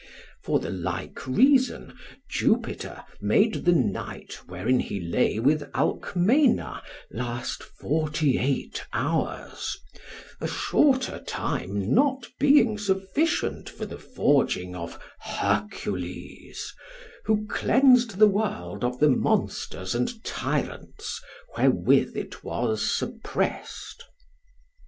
For the like reason Jupiter made the night, wherein he lay with Alcmena, last forty eight hours, a shorter time not being sufficient for the forging of Hercules, who cleansed the world of the monsters and tyrants wherewith it was suppressed.